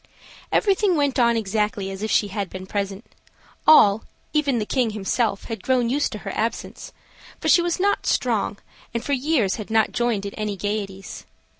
Everything went on exactly as if she had been present. All, even the king himself, had grown used to her absence; for she was not strong, and for years had not joined in any gayeties.